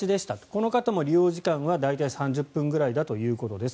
この方も利用時間は大体３０分ぐらいだということです。